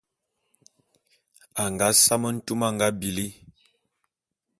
A nga same ntume a nga bili.